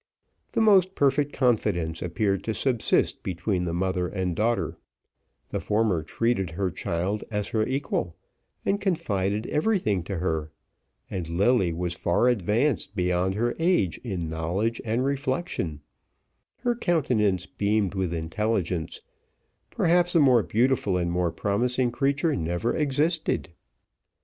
The most perfect confidence appeared to subsist between the mother and daughter: the former treated her child as her equal, and confided everything to her; and Lilly was far advanced beyond her age in knowledge and reflection; her countenance beamed with intelligence; perhaps a more beautiful and more promising creature never existed.